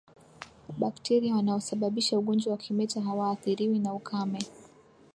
Bakteria wanaosababisha ugonjwa wa kimeta hawaathiriwi na ukame